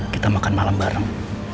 kita makan malam bareng